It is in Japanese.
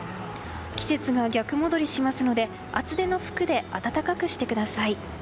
季節が逆戻りしますので厚手の服で温かくしてください。